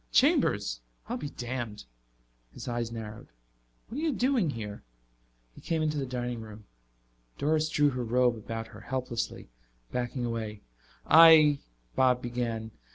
"Chambers. I'll be damned." His eyes narrowed. "What are you doing here?" He came into the dining room. Doris drew her robe about her helplessly, backing away. "I " Bob began.